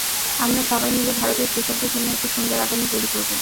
আমরা সবাই মিলে ভারতের কৃষকদের জন্য একটি সুন্দর আগামী তৈরি করব।